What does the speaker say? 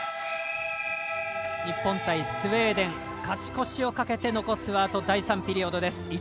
日本対スウェーデン勝ち越しをかけて残すは第３ピリオドです。